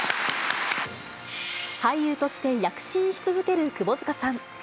俳優として躍進し続ける窪塚さん。